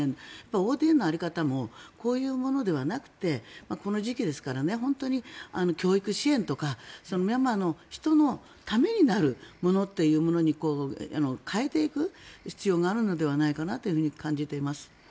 ＯＤＡの在り方もこういうものではなくてこういう時期ですから教育支援ですからミャンマーの人のためになるものというものに変えていく必要があるのではないかなと感じています。